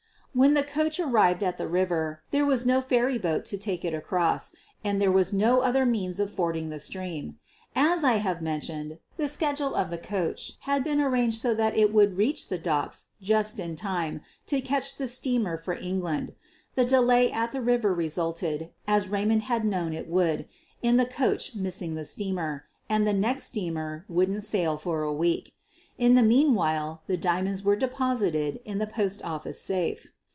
"When the coach arrived at the river, there was no ferryboat to take it across, and there was no other means of fording the stream. As I have mentioned, the schedule of the coach had been arranged so that it would reach the docks just in time to catch the steamer for England. The delay at the river re sulted, as Raymond had known it would, in the coach missing the steamer, and the next steamer wouldn't sail for a week. In the meanwhile, the diamonds were deposited in the post office safe.